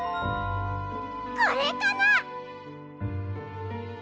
これかな？